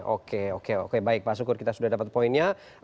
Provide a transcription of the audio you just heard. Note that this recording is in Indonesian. oke oke oke baik pak syukur kita sudah dapat poinnya